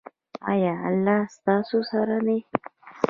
ایا الله ستاسو سره دی؟